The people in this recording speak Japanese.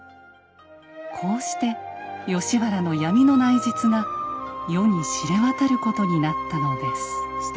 こうして吉原の闇の内実が世に知れ渡ることになったのです。